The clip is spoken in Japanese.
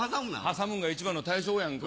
挟むんが一番の対処法やんか。